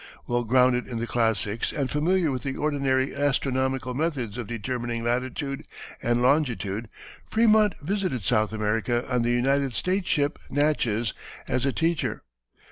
Well grounded in the classics and familiar with the ordinary astronomical methods of determining latitude and longitude, Frémont visited South America on the United States ship Natchez, as a teacher.